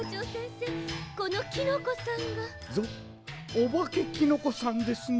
おばけキノコさんですね。